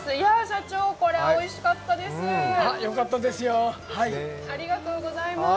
社長、これはおいしかったですー。